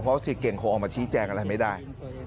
เพราะเสียเก่งคงออกมาชี้แจงอะไรไม่ได้